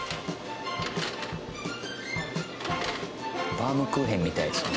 バウムクーヘンみたいですね。